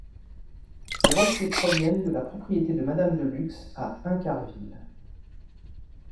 Ces rochers proviennent de la propriété de Madame de Lux à Incarville.